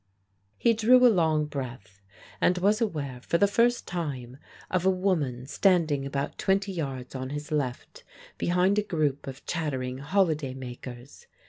He drew a long breath, and was aware for the first time of a woman standing about twenty yards on his left behind a group of chattering holiday makers.